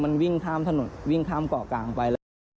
มันวิ่งข้ามถนนวิ่งข้ามเกาะกลางไปแล้ว